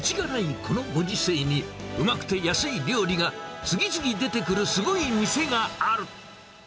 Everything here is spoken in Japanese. このご時世に、うまくて安い料理が次々出てくるすごい店がある。